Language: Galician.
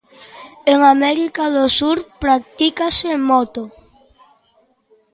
En América do Sur practícase moto.